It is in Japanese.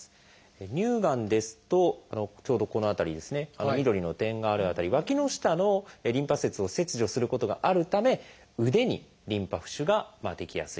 乳がんですとちょうどこの辺り緑の点がある辺りわきの下のリンパ節を切除することがあるため腕にリンパ浮腫が出来やすいと。